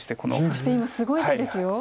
そして今すごい手ですよ。